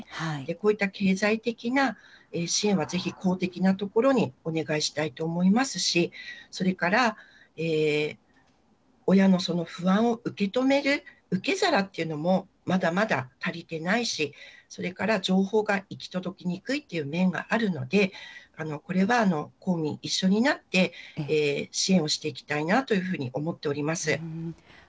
こういった経済的な支援はぜひ公的なところにお願いしたいと思いますし、それから親のその不安を受け止める受け皿というのもまだまだ足りていないし、それから情報が行き届きにくいという面があるので、これは本人一緒になって、支援をしていきたいなというふうに思っております。